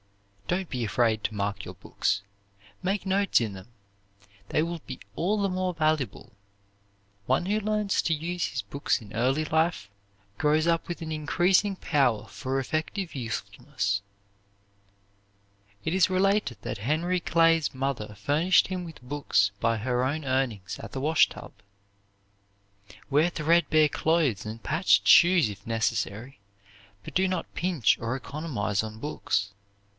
Don't be afraid to mark your books. Make notes in them. They will be all the more valuable. One who learns to use his books in early life, grows up with an increasing power for effective usefulness. It is related that Henry Clay's mother furnished him with books by her own earnings at the washtub. Wear threadbare clothes and patched shoes if necessary, but do not pinch or economize on books.